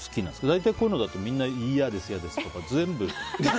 大体こういうのだと嫌です、嫌ですって全部。